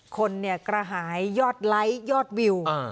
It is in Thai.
คนเนี่ยกระหายยอดไลค์ยอดวิว